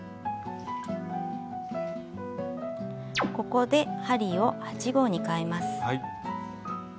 ここで針を８／０号にかえます。